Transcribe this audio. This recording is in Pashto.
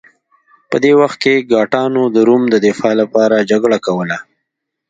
په دې وخت کې ګاټانو د روم دفاع لپاره جګړه کوله